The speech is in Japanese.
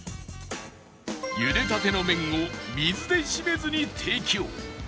茹でたての麺を水で締めずに提供